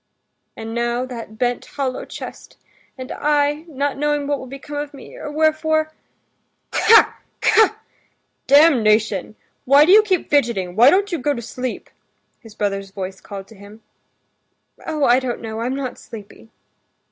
"And now that bent, hollow chest ... and I, not knowing what will become of me, or wherefore...." "K...ha! K...ha! Damnation! Why do you keep fidgeting, why don't you go to sleep?" his brother's voice called to him. "Oh, I don't know, I'm not sleepy."